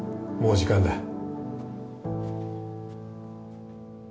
もう時間だ。